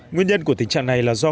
nguyên nhân của tình trạng này là do